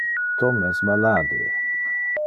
Tom es malade.